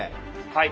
はい。